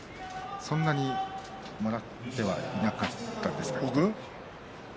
そんなにもらっていなかったんですか。